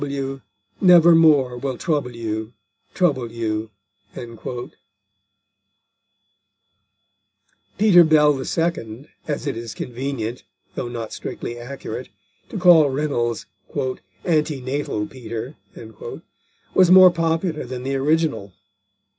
W. Never more will trouble you, trouble you_." Peter Bell the Second, as it is convenient, though not strictly accurate, to call Reynold's "antenatal Peter," was more popular than the original.